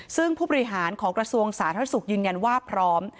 ซึ่งผู้บริหารของกระทรวงสาธารณสุขยืนยันว่าพร้อม